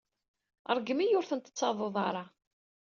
Ṛeggem-iyi ur ten-tettadud ara.